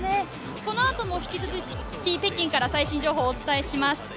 この後も引き続き北京から最新情報をお伝えします。